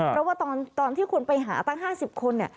เพราะว่าตอนที่คุณไปหาทั้ง๕๐คน